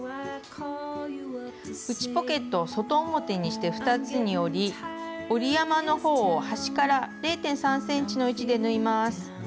内ポケットを外表にして二つに折り折り山の方を端から０．３ｃｍの位置で縫います。